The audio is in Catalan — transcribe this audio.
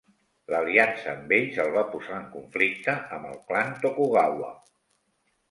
L'aliança amb ells el va posar en conflicte amb el clan Tokugawa.